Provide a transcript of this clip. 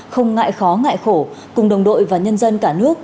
không ngại khó ngại khổ cùng đồng đội và nhân dân cả nước